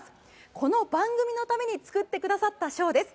この番組のために作ってくださったショーです。